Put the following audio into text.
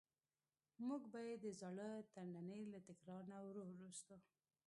موږ به یې د زاړه ترننی له تکرار نه وروسته.